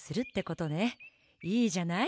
いいじゃない。